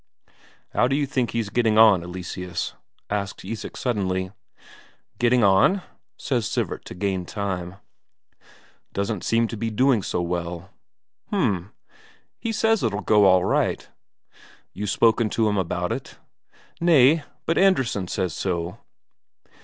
"How d'you think he's getting on, Eleseus?" asks Isak suddenly. "Getting on?" says Sivert, to gain time. "Doesn't seem to be doing so well." "H'm. He says it'll go all right." "You spoken to him about it?" "Nay; but Andresen he says so."